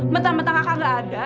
metan metan kakak nggak ada